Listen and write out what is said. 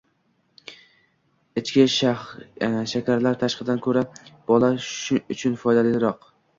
“Ichki” shakarlar “tashqidan” ko‘ra bola uchun ancha foydaliroq